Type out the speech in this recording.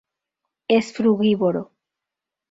Es frugívoro.